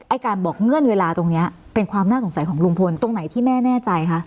การบอกเงื่อนเวลาตรงนี้เป็นความน่าสงสัยของลุงพลตรงไหนที่แม่แน่ใจคะ